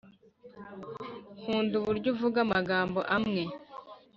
nkunda uburyo uvuga amagambo amwe